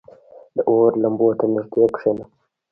• د اور لمبو ته نږدې کښېنه.